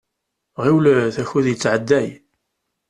Ɣiwlet, akud yettɛedday.